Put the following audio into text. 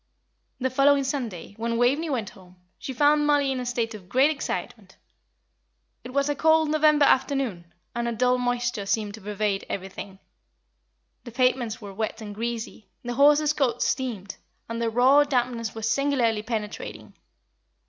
The following Sunday, when Waveney went home, she found Mollie in a state of great excitement. It was a cold, November afternoon, and a dull moisture seemed to pervade everything. The pavements were wet and greasy, the horses' coats steamed, and the raw dampness was singularly penetrating.